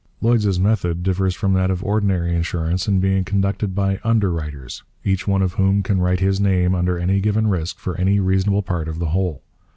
Lloyd's' method differs from that of ordinary insurance in being conducted by 'underwriters,' each one of whom can write his name under any given risk for any reasonable part of the whole.